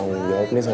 ruang hidup wear